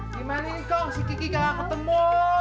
gimana kekong si kiki gak ketemu